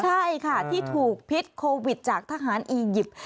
ใช่ค่ะที่ถูกพิษโควิดจากทหารอียิปต์